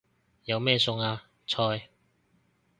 有咩餸啊？菜